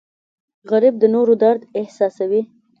غریب د نورو درد احساسوي